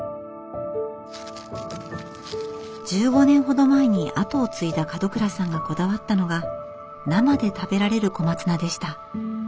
１５年ほど前に後を継いだ門倉さんがこだわったのが生で食べられる小松菜でした。